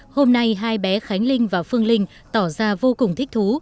hôm nay hai bé khánh linh và phương linh tỏ ra vô cùng thích thú